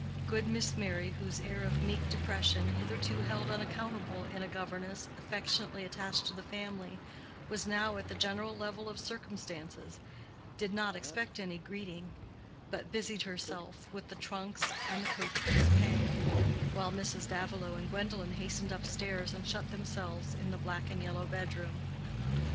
Good Miss Merry, whose air of meek depression, hitherto held unaccountable in a governess affectionately attached to the family, was now at the general level of circumstances, did not expect any greeting, but busied herself with the trunks and the coachman's pay; while Mrs. Davilow and Gwendolen hastened up stairs and shut themselves in the black and yellow bedroom.